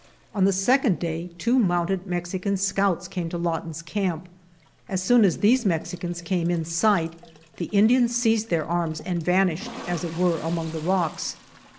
On the second day two mounted Mexican scouts came to Lawton's camp. As soon as these Mexicans came in sight the Indians seized their arms and van ished, as it were, among the rocks.